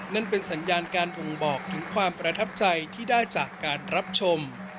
นั่นเป็นสัญญาณการบ่งบอกถึงความประทับใจที่ได้จากการรับชม